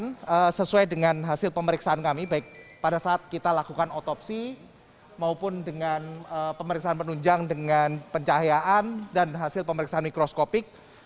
dan sesuai dengan hasil pemeriksaan kami baik pada saat kita lakukan autopsi maupun dengan pemeriksaan penunjang dengan pencahayaan dan hasil pemeriksaan mikroskopik